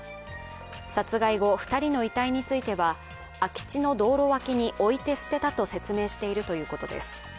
殺害後、２人の遺体については空き地の道路脇に置いて捨てたと説明しているということです。